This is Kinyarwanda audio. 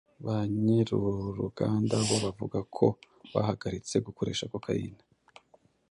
banyir’ uruganda bo bavuga ko bahagaritse gukoresha cocaine